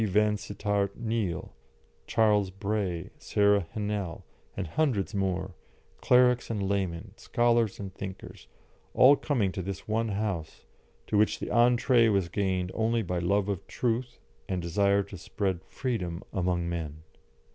Vansittart Neale, Charles Bray, Sarah Hennell, and hundreds more, clerics and laymen, scholars and thinkers, all coming to this one house, to which the entrée was gained only by love of Truth and desire to spread Freedom among men.